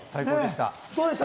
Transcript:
どうでした？